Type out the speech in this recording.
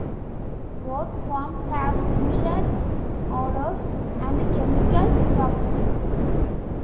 Both forms have similar odors and chemical properties.